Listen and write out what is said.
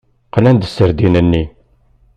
Qlan-d aserdin-nni.